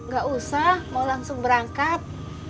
gak usah mau langsung berangkat